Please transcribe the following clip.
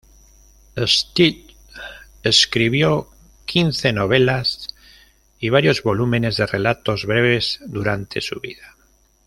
Stead escribió quince novelas y varios volúmenes de relatos breves durante su vida.